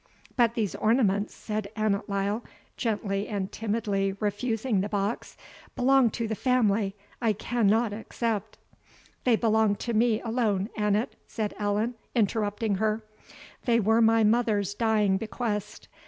"But these ornaments," said Annot Lyle, gently and timidly refusing the box, "belong to the family I cannot accept " "They belong to me alone, Annot," said Allan, interrupting her; "they were my mother's dying bequest.